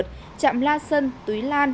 trạm la sân túi lan